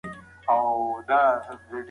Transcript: آیا تاسو پوهیږئ چي دا سیستم څنګه کار کوي؟